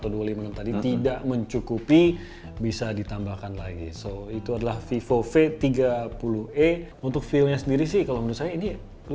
dengan biaya kita semua ini